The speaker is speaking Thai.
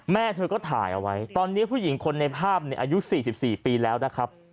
แม่เธอก็ถ่ายเอาไว้ตอนนี้ผู้หญิงคนในภาพอายุ๔๔ปีแล้วนะครับ